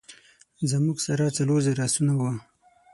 زموږ سره څلور زره آسونه وه.